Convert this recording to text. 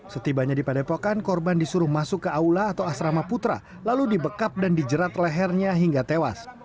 setibanya di padepokan korban disuruh masuk ke aula atau asrama putra lalu dibekap dan dijerat lehernya hingga tewas